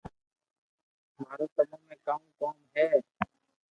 مارو تمو ۾ ڪاؤ ڪوم ھي